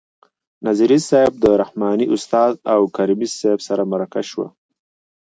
نظري صیب د رحماني استاد او کریمي صیب سره مرکه شو.